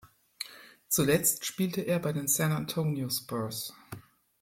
Zuletzt spielte er bei den San Antonio Spurs.